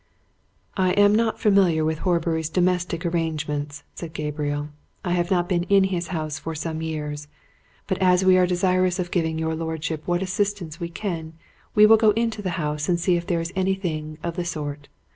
"I am not familiar with Horbury's domestic arrangements," said Gabriel. "I have not been in his house for some years. But as we are desirous of giving your lordship what assistance we can, we will go into the house and see if there is anything of the sort.